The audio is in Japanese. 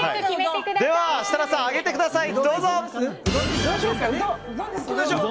では設楽さん、上げてください。